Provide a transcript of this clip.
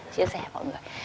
chia sẻ mọi người